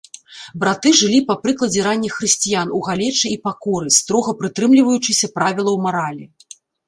Браты жылі па прыкладзе ранніх хрысціян у галечы і пакоры, строга прытрымліваючыся правілаў маралі.